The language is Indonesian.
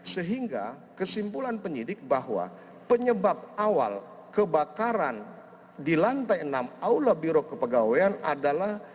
sehingga kesimpulan penyidik bahwa penyebab awal kebakaran di lantai enam aula biro kepegawaian adalah